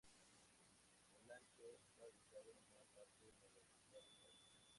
Olancho está ubicado en la parte nororiental del país.